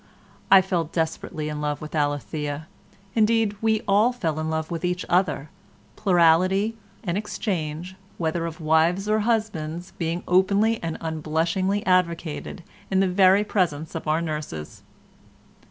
I fell desperately in love with Alethea, indeed we all fell in love with each other, plurality and exchange whether of wives or husbands being openly and unblushingly advocated in the very presence of our nurses.